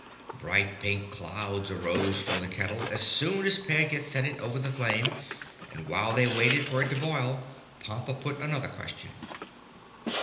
Bright pink clouds arose from the kettle, as soon as Peg had set it over the flame, and while they waited for it to boil Pompa put another question.